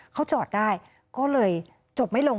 กูจะไล่ไหม